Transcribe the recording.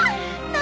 何？